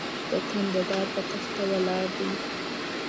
وطن د دار بۀ تخته ولاړ دی